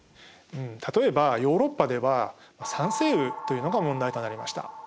例えばヨーロッパでは酸性雨というのが問題となりました。